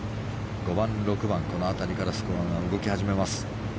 ５番、６番、この辺りからスコアが動き始めます。